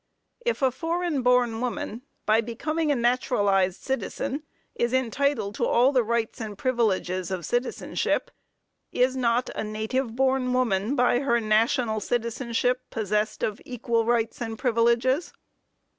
If a foreign born woman by becoming a naturalized citizen, is entitled to all the rights and privileges of citizenship, is not a native born woman, by her national citizenship, possessed of equal rights and privileges?